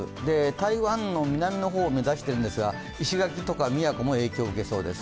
台湾の南の方、目指しているんですが石垣とか宮古も影響を受けそうです。